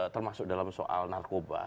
termasuk dalam soal narkoba